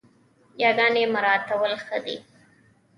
ياګاني مراعتول ښه دي